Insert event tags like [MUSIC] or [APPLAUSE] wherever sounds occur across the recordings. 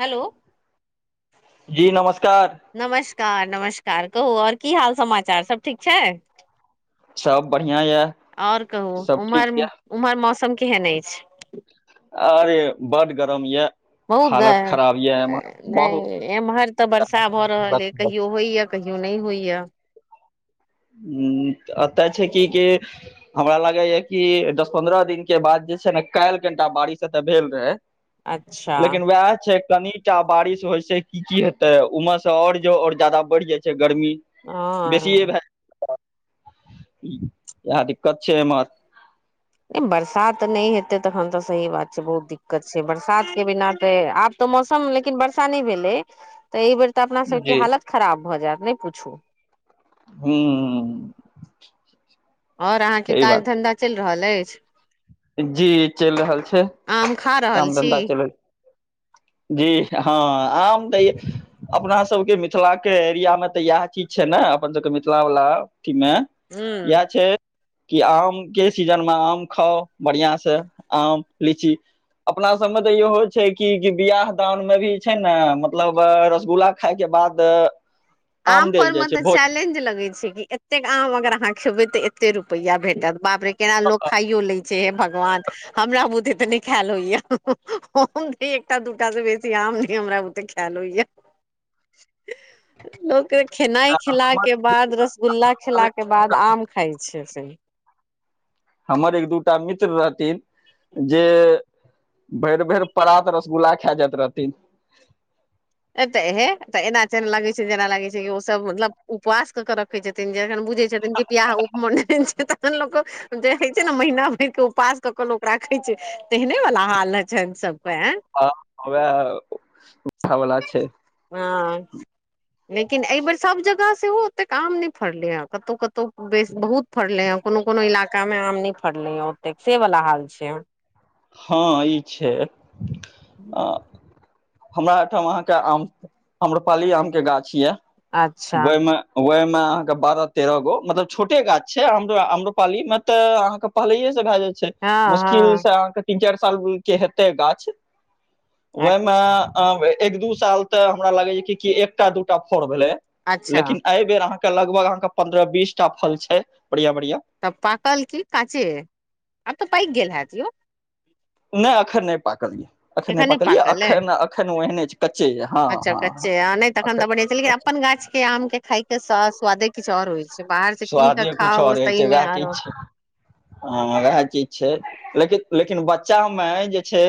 हलो जी नमस्कार नमस्कार नमस्कार कहू ओर की हाल समाचार सब ठीक छै सब बढ़िआँ यए और कहू सब ठीक उमहर यए उमहर मौसम केहन अछि अरे बड गरम यऽ बहुत बहुत नहि एमहर तऽ वर्षा भऽ रहल अ हम्म, कहियो होइएा कहियो नहि होइय ह एतय छै कि कि हमरा लागै या कि दस पन्द्रह दिन के बाद जे छै ने काल्हि कनिटा बारिश ए भेल रहै अच्छा लेकिन वएह छै कनिटा बारिश होय छै की की हेते ऊमे से और जे और जादा बढ़ि जाय छै गर्मी बेसियए हँ भए यह दिक्कत छै हमर नहि बरसात नहि हेतै तखन तऽ सही बात छै बहुत दिक्कत छै बरसातके बिना तऽ आब मौसम लेकिन बरसा नहि भेलै त अइ बेर तऽ अपना जी सबके हालत खराब भऽ जायत नहि पूछू हू और अहाँके काज धन्धा चैल रहल अछि जी चलि रहल छै आम खा रहल काम छी धन्धा चल जी हँ आम तऽ य अपना सबके मिथिला के एरियामे तऽ इएह चीज छै ने अपन सबके मिथिला वला अथी मे हूँ इएह छै कि आम के सीजन मे आम खाउ बढ़िआँसँ आम लीची अपना सबमे तऽ इहो छै कि बियाह दान मे भी छै ने मतलब रसगुल्ला खााय के बाद आम देल पर जाइ मे तऽ छै भोज चैलेंज लगैत छै कि एतेक आम अगर अहाँ खेबै तऽ ए कत्ते रुपैआ भेटत बापरे केना लोक खाइयो लै हे भगवान हमरा बुते नहि खायल होइया एकटा दूटा से बेसी काम हमरा बूते ख्याल होइए लोक खेनाइ खेला हमर के बाद रसगुल्ला खेला के बाद आम खााय छै सही हमर एक दूटा मित्र रहथिन जे भैर भैर पात रसगुल्ला खा जाइत रहथिन ए तऽ हे तऽ एना जेना लगै छै जेना लागै छै कि ओसभ मतलब उपवास कऽ के रखै छथिन एखन बुझै छथिन कि प्शब्याह उप म छै तन लोको जे होइ छै ने महिना भर क उपास कऽ के लोक राखे छै तेहने वाला हाल ह छनि सभ हँ वाह उठवला छै हँ लेकिन एहि बेेर सभ जगह सेहो एतेक आम नहि फड़ल हे कतहु कतहु बहुत फड़ल हे कोनो कोनो इलाका मे आम न फड़ले ह तेक से वला हाल छै हँ ई छै आ हमरा एहिठाम अहाँ के आम आम्रपाली आम के गाछ अच्छा वैह मे मे अहाँ के बारह तेरह गो मतलब छोटे गाछ छै हम्रोपालाली में तऽ अहाँ के पहीलेये भए जाइ छै हँ मुश्किल हँ से अहाँके तीन चारि साल के हेतै गाछ अच्छा ओहिमे एक दू साल तऽ हमरा लागै कि एकटा दूटा फर भेले अच्छा लेकिन एहि बेर अहाँके लगभग अहाँके पन्द्रह बीसटा फल छै बढ़िया बढ़िया तब पाकल की काँचे आब तऽ पाक गेल हत यौ नहि अखन नहि पाकल या एखने एखन नहि पकलियै पाकल अइ एखन एखन ओ एहने छै कच्चे ये हँ अच्छा हँ कच्चे हँ आ नहि तखन तऽ बढ़िआँ छै लेकिन एखन अपन गाछ के आम के खाय के स स्वादे किछु आओर होइ छै बाहर से कीन क स्वादे खा कुछ ओ सही मे आरो ह वएह चीज छै लेकिन लेकिन बच्चा मे जे छै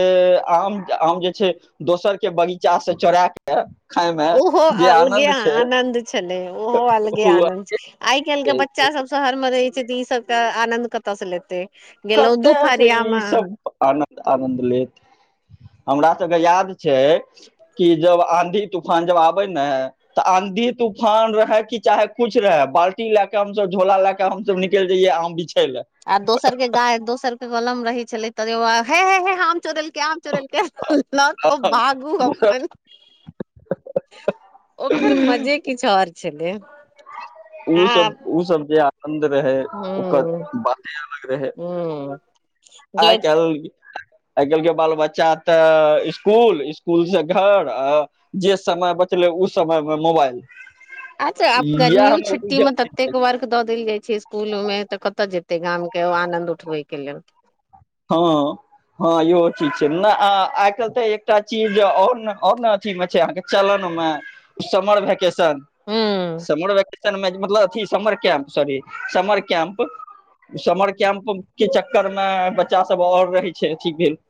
आम आम जे छै दोसर के बगीचा से चोरा क उहो अलगे आनन्द छलै ओहो अलगे ओ आनन्द आइ केल के बच्चा सब शहर म रहे छै त ई सब क आनंद कतय से लेते कते से ई सब आनद आनन्द लेत हमरा सबके याद छै कि जब आन्धी तूफान जब आबै ने त आँधी तूफान रहै कि चाहे कुछ रहै बाल्टी लए क हमस झोला ले के हम सब निकल जइयै आम बीछ आ दोसर के गाय दोसर के कलम रहे छले त हे हे हे हम चोर के आम चोरलके ल क भागू अपन ओकर मजे किछु आओर छलै आ उसभ उसभ जे आनन्द रहै ओकर हूं बाते अलग रहै हूं आइ जे केल आइ काल्हि के बाल बच्चा त स्कुल स्कुल से घर आ जे समय ब चलै उ समय मे मोबाइल अच्छा आब गर्मीओ इएह छुट्टी मे म ततेक वर्क द देल जाइ छै इसकुलोमे त कत जेतै गाम के आनंद उठबै के लेल ह हँ इहो चीज छै न आइ काल्हि त एकटा चीज और न और न अथी मे छै अहाँके चलन मे समर भैकेशन हूं समर वैके सन मे मतलब अथि summer camp sorry summer camp summer camp के चक्करमे बच्चा सब आओर रहै छै अथी भेल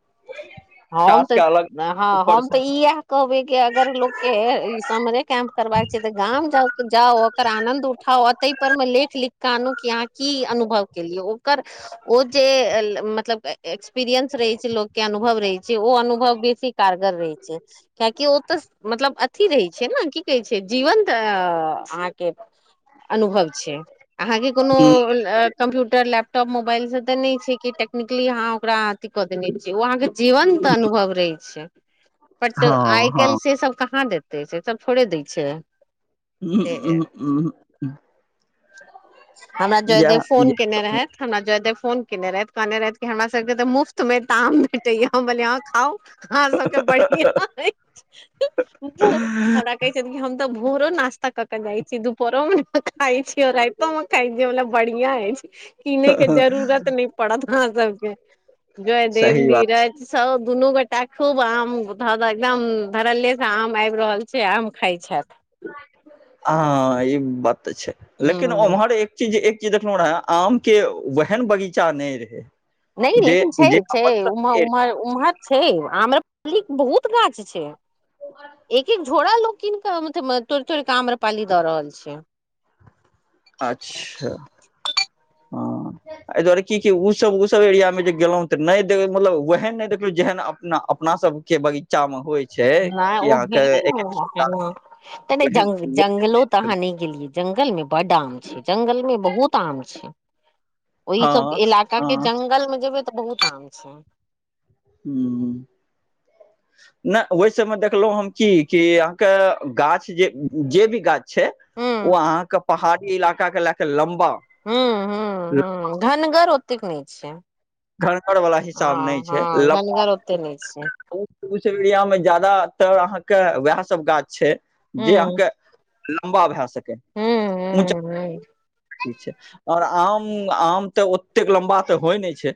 हम टास्क त अलग हँ ऊपर हम त से इएह कहबै कि अगर लोकके ई समरे कैम्प क करबाक छै त गाँव जाउ ओकर आनंद उठाउ ओतहि पर मे लेख लिख क आनू कि अहाँके की अनुभव केलियै ओकर ओ जे मतलब एक्सपीरियंस रहै छै लोक के अनुभव रहै छै ओ अनुभव बेसी कारगर रहै छै कियाकि ओ त मतलब अथी रहै छै न की कहै छै जीवंत अहाँके अनुभव छै अहाँके कोनो कम्प्यूटर लैप टॉप मोबाइल से त नहि छै कि टेक्निकली अहाँ ओकरा अथि क देने छियै उ अहाँके जीवंत अनुभव रहे छै पट आइ हँ काल्हि हँ से सब कहाँ देत छै सब थोड़े दै छै से [UNINTELLIGIBLE] हमरा जयदेव इएह फोन इएह केने सब रहथि हमरा जयदेव फोन केने रहथि कहने रहथि हमरा सबके त मुफ्त मे ताम भेटैय हम कलियई अहाँ खाउ अहाँ सबके बढ़िया अछि हमरा कहै छथिन हम त भोरो नास्ता क क जाय छी दुपहरो मे खाइ छी केओ राइतो में खाय छी मतलब बढ़िया अछि किनय के जरूरत नहि पड़त अहाँ सबके जयदेव सही बात नीरज सब दुनू गोटा खूब आम ध द एकदम धरल्ले से आम आबि रहल छै आम खाइ छथि ह ई बात त छै लेकिन ह ओम्हर एक चीज एक चि देखलौं रहै आम के वैहन नहि रहै नहि लेकिन छै छै उमह उमहर उमहर छै आम्र लीक बहुत गाछ छै एक एक झोरा लोक कीन क म म तोड़ि तोड़ क आम्रपाली द रहल छै अच्छा हँ एहि दुआरे की कि उसब उसब एरियामे जे गेलहुँ त नहि मतलब ओहन नहि देखलहुँ जेहन अपना अप अपना सब के बगीचा में होइ छै नहि कि ओ अहाँके एक एक सए गाछ त ज ओहेन जंगलो त हान गेल लिय ज [UNINTELLIGIBLE] जंगल मे बड्ड आम छै जंगल मे बहुत आम छै ओहि सभ हँ इलाकाके हँ जंगलमे जेबै तऽ बहुत आम छै ह्म ह [INAUDIBLE] नहि ओहि सबमे देखलहुँ हम की कि अहाँके गाछ जे जे भी गाछ छै हूँ ओ अहाँके पहाड़ी इलाका के लए क लम्बा हू ह ह धनगर ओतेक नहि छै घनघरवला हिसाब नहि हँ छै हँ लमबा घनगर ओते नहि छै एरियामे जादातर अहाँ के वएह सब गाछ छै हूँ जे अहाँ के लम्बा भए सक हूँ हूँ ठीक छै [UNINTELLIGIBLE] और आम आम तऽ ओतेक लम्बा तऽ होइ नहि छै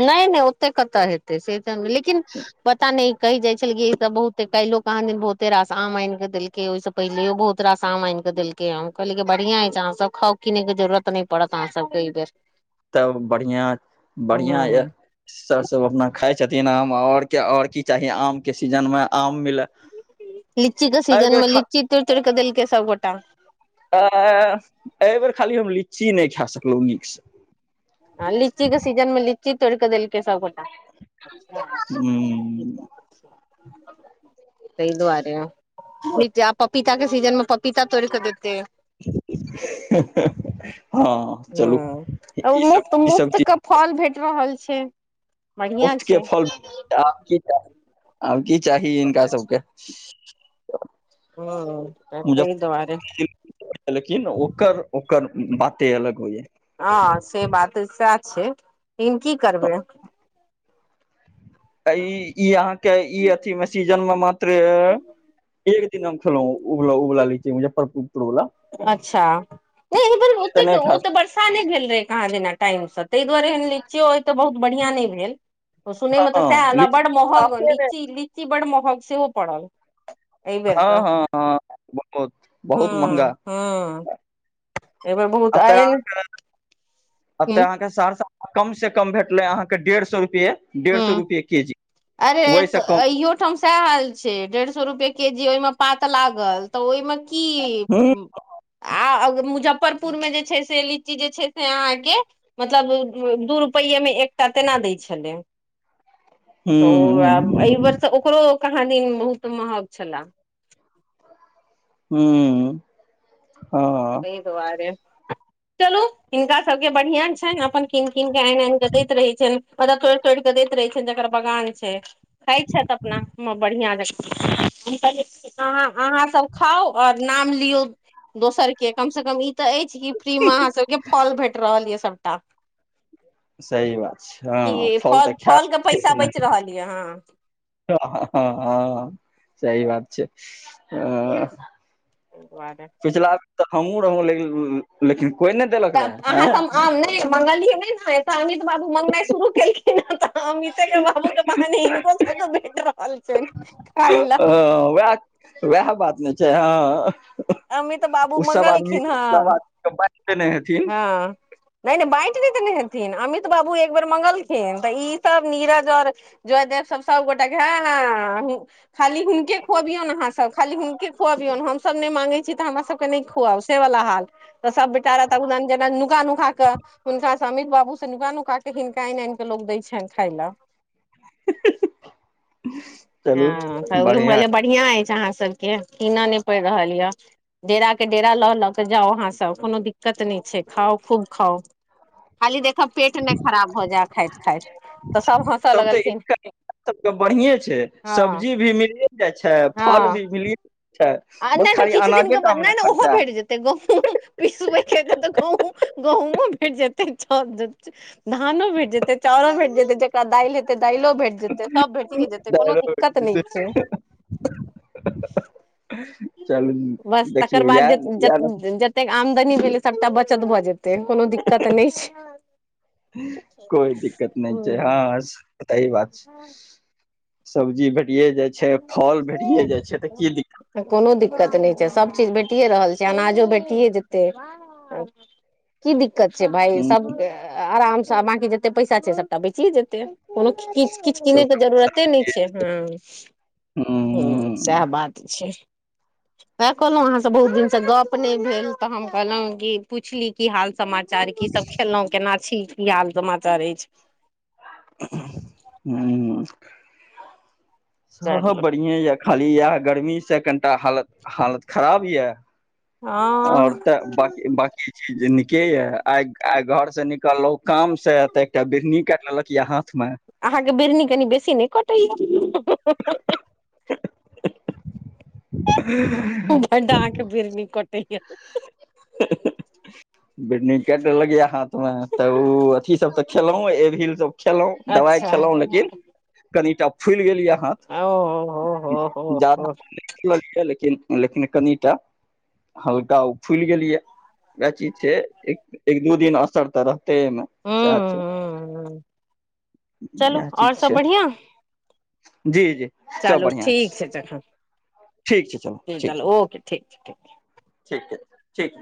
नहि नहि ओते कतऽ हेतै से त लेकिन पता नहि कहि जाय छलिय ई सब बहुते काइलो कहाँ दिन बहुते रास आम आन के देलके ओहि से पहिलो बहुत रास आम आन देलकै हम कहली बढ़िआं अछि छै अहाँ सब खाउ कीनै के जरूरत नहि पड़त अहाँ सबके एहि बेर तब बढ़िया बढ़िया हूँ य सर सब अपना खाय छथिन आम और के और की चाही आम के सीजन मे आम मिले लीची के एहि सीजन बेर मे खा लिची तुड़ तुड़ कऽ देलकै सबगोटा आ एहि बेेर खाली हम लीची नहि खा सकलहुँ नीकसँ आ लीचीे सीजनमे लीची तोड़क देल के सब गोटा ह तहि दुआरे ह आब पपीता के सीजन मे पपीता तोड़िकऽ दे हँ चलू ई सब तऽ ई सब मुफ्त के चीज फल भेट रहल छै बढ़िया मुफ्त के छै फल आब की आब की चाही हिनका सबके हत तै मुजफ्फरपुर दआरे लेकिन ओकर ओकर बाते अलग हो य ह से बात सएह छै लेकिन की करबै ई ई अहाँके ई अथी मे सीजन मे मात्र एक न खेलहुँ उबला उबला लिची छै मुजफ्फरपुर वला अच्छा ओ तऽ नहि खा ओ ते वर्षा नहि भेल रहे कहाँ दिना [UNINTELLIGIBLE] टाइमसँ ताहि दुआरे एहन लचियौ ओ तऽ बहुत बढ़िआं नहि भेल सुनैमे तऽ हँ सएहल आ लीची बड महग साफे नहि लीची लीची बड महग सेहो पड़ल अइबेर हँ तऽ हँ बहुत बहुत महंगा ह हँ एहि बेर बहुत आयल एते ह अहाँके सहरसा कम से कम भेटले अहाँके डेढ़ सए रुपे ह्मअरे ओहिसँ कम अहयो ठाम सएह हाल छै डेढ़ सए सए रुपए के जी ओहिमे पात लागल तऽ ओहिमे कि हूँ आ मुजफ्फरपुर पुर मे जे छै से लीची जे छै से अहाँके मतलब दू रुपैे मे एकटा तेना दै छलै तऽ ओ एहि हूँ बेरसँ ओकरो कहाँ दिन बहुत महग छला हू ताहि दुआरे चलू हिनका सबके बढ़िआँ छनि अपन किनक कीनके आन एन क दैत रहै छनि मलब तोड़ि तोड़ केऽ दैत रहै छ जकर बगान छै खााय छथि अपना बढ़िया जक हम कहलियै हाँ अहाँ सब खाउ आओर नाम लियौ दोसर के कम से कम ई तऽ अछि कि फ्रीमे अहाँ सबके फॉल भेट रहल यऽ सभटा सही बात छै हँ क तऽ फल फल के पैसा बचि रहल य अहाँ ह सह बात छै आ ताहि दुआरे पिछला तऽ हमहुँ रहौं लेकिन कोइ नहि देलक त रहए अहाँ सब आ हँ नहि मंगलियै नहि ने तऽ अमित बाबू मंगगनाइ शुरू केलखिन हे तऽ अमिते के बाबू के कहहानी हिनको सब के भेट रहल छै खइ ल ह वएह वएह बात नहि छै हँ अमित बाबू ओ सब आदमी मंगलखिन हँ आद हँ नैन बाट न त अमित बाबू एक बेेर मंगलखिन तऽ ई सब नीरज और जयदेव सब सब गोटे है खाली हुनके खुआबियौ ने अहाँ सब खाली हुनके खुआबियौ हमसभ नहि मांगै छी तऽ हमरा सबके नहि खुआब से वला हाल तऽ सब बेटा तगद जेना नुका नुका के हुनका से अमित बाबू से नुा नुका के हिनका आनि आन के लग दय छनि खाई [INAUDIBLE] [INAUDIBLE] चलू हँ बढ़िया रूमे बढ़िआं हय छै अहाँ सब के कीन नहि पड़ रहल ये डेरा के डेरा ल ल के जाउ अहाँ सब कोनो दिक्कत नहि खा खूब खाउ खाली तब पेट नहि खराब भ जाय खाइत खाइत तऽ सब हँसय तब तऽ लगलखिन इनकम सबके बढ़िए हँ सब्जी भी मिलिय जाइ छै फल हँ भी मिलिय आ नहि तऽ किछु दििन के बाद नहि ने ओहो खर्चा भेट जेतै गहुँम पिसै तऽ गहुम गहुूंमो भेट जेतै धानो भेट जेतै चाउो भेट जेतै जेकरा दालि हेतै दाललो भेट जेतै सब भेटिए जेतै कोनो दिक्कत नहि छै चलू बस तकर देखियौ बाद इएह इएह ने जतेक आमदनी भेलै सबटा बचत भऽ जेतै तेन कोनो दिक्कत नहि छै ह त ई बात छै सब्जी भेटए जाइ छै फल भेटे जाइ छै तऽ की दिक्कत सब चीज भेटिए रहल छै अनाजो भेटियए जेतै की दिककत दिक्कत छै भााय दिक्कत सब आरामसँ बकी जते पैसा छै सबटा बेचियए जेतै कोनो कि किछु किनै सब के जरूरते नहि छै ह ह सएह हूँ बात छै जी वएह कहलहु अहाँसँ बहुत दिनसँ गप नहि भेल तऽ हम कहलहुँ कि पुछली की हाल समाज समाचार की सब खेललहुं केना छी क हाल समाचार अछि ह स चलू बढ़िआ य खाली इएह गर्मी से कनिटा हालत हालत खराब यऽ आओर हँ तऽ बी बकी चीज न के ये आइ आ घर से निकललो काम से ते एकटा बिहनी काट लेलक यहां अहाँके बिरनी कनि बेसी नहि कटैया डाँके बिरनी कट ह बि कट लगैया हाथ में तऽ ओ अथी सब तऽ खेलहु एिल सब खेलहुं दबा अच्छा कनिटा फुलि गेल य हाथ ओ हो हो हो हो हूँ जिन लेकिन कनिटा हल्का ओ फूलि गेलियै उएह चीज छै एक दू दिन असर तऽ रहतेमे सएह छै हूँ हूँ चलू इएह चीज आओर सब छै बढ़ििया जी जी सब बढ़िआँ छै तखन ठीक छै चलू जी ठीक छै ओके ठीक छै ठीक ठीक ठीक